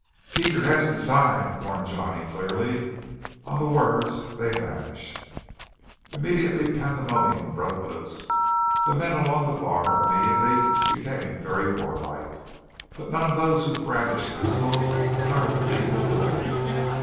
"Keep your heads inside," warned Johnny clearly. On the words they vanished. Immediately pandemonium broke loose. The men along the bar immediately became very warlike; but none of those who brandished pistols tried to leave the building.